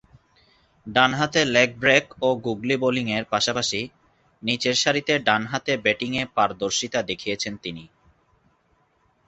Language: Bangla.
ডানহাতে লেগ ব্রেক ও গুগলি বোলিংয়ের পাশাপাশি নিচেরসারিতে ডানহাতে ব্যাটিংয়ে পারদর্শীতা দেখিয়েছেন তিনি।